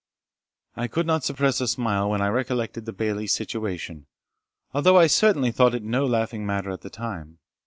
I could not suppress a smile when I recollected the Bailie's situation, although I certainly thought it no laughing matter at the time.